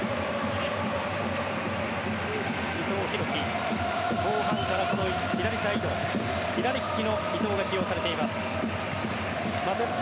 伊藤洋輝後半から左サイド左利きの伊藤が起用されています。